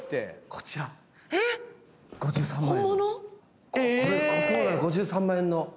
これ、５３万円の。